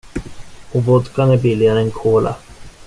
Och vodkan är billigare än cola.